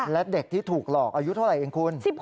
และเด็กที่ถูกหลอกอายุเท่าไหร่เองคุณ